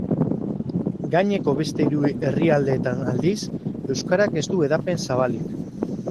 Gaineko beste hiru herrialdeetan aldiz, euskarak ez du hedapen zabalik.